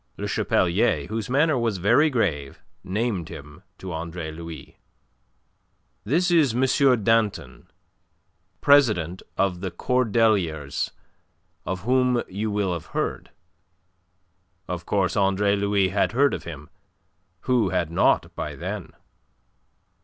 Le Chapelier, whose manner was very grave, named him to Andre Louis. "This is M. Danton, a brother lawyer, President of the Cordeliers, of whom you will have heard." Of course Andre Louis had heard of him. Who had not, by then?